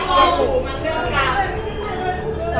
ปุ๊บร้อยลงอีน